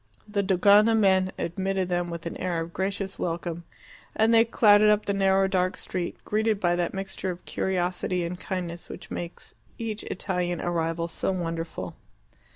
The Dogana men admitted them with an air of gracious welcome, and they clattered up the narrow dark street, greeted by that mixture of curiosity and kindness which makes each Italian arrival so wonderful.